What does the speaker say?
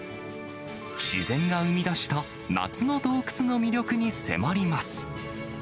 自然が生み出した夏の洞窟の魅力に迫ります。